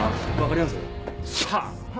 さあ。